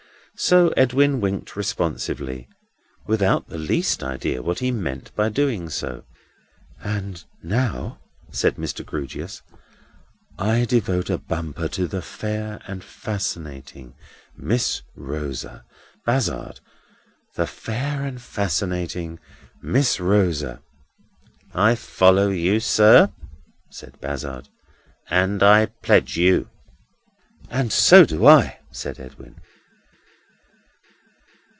So Edwin winked responsively, without the least idea what he meant by doing so. "And now," said Mr. Grewgious, "I devote a bumper to the fair and fascinating Miss Rosa. Bazzard, the fair and fascinating Miss Rosa!" "I follow you, sir," said Bazzard, "and I pledge you!" "And so do I!" said Edwin.